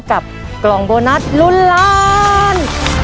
กับกล่องโบนัสลุ้นล้าน